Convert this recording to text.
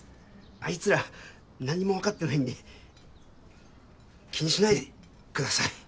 あいつら何もわかってないんで気にしないでください。